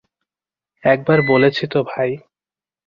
একবার বলেছি তো ভাই।